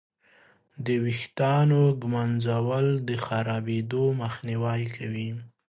د ویښتانو ږمنځول د خرابېدو مخنیوی کوي.